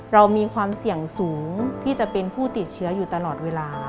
เรามีความเสี่ยงสูงที่จะเป็นผู้ติดเชื้ออยู่ตลอดเวลา